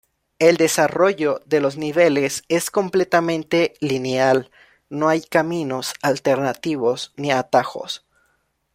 El desarrollo de los niveles es completamente lineal, no hay caminos alternativos ni atajos.